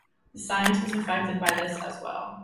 The science was affected by this as well.